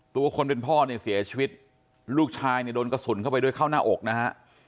ตัวคนเป็นพ่อเนี่ยเสียชีวิตลูกชายเนี่ยโดนกระสุนเข้าไปด้วยเข้าหน้าอกนะฮะ